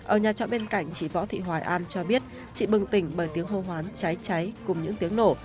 ở nhà trọ bên cạnh chị võ thị hoài an cho biết chị bừng tỉnh bởi tiếng hô hoán cháy cùng những tiếng nổ